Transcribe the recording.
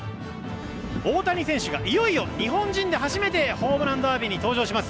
大谷選手がいよいよ日本人で初めてホームランダービーに登場します。